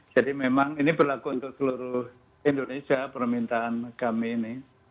jadi memang ini berlaku untuk seluruh indonesia permintaan kami ini